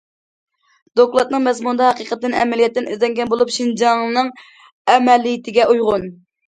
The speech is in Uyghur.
دوكلاتنىڭ مەزمۇنىدا ھەقىقەت ئەمەلىيەتتىن ئىزدەنگەن بولۇپ، شىنجاڭنىڭ ئەمەلىيىتىگە ئۇيغۇن.